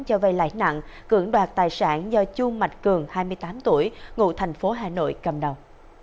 cho vay lãi nặng cưỡng đoạt tài sản do chu mạch cường hai mươi tám tuổi ngụ thành phố hà nội cầm đầu